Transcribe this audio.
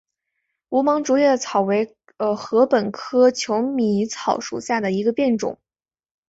无芒竹叶草为禾本科求米草属下的一个变种。